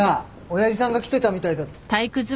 親父さんが来てたみたいだ。